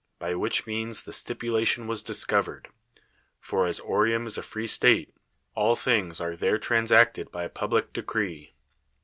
by which means the stipulation was discovered; for as Oreum is a free state, all things are there transacted by a public decree.